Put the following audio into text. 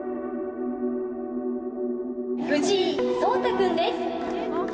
藤井聡太君です。